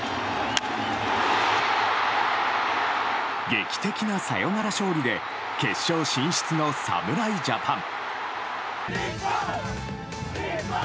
劇的なサヨナラ勝利で決勝進出の侍ジャパン。